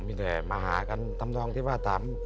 มีแต่มาหากันทำนองที่ว่าถาม